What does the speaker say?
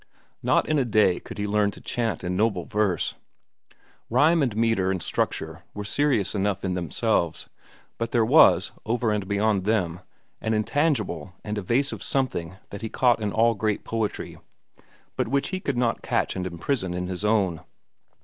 Not in a day could he learn to chant in noble verse. Rhyme and metre and structure were serious enough in themselves, but there was, over and beyond them, an intangible and evasive something that he caught in all great poetry, but which he could not catch and imprison in his own.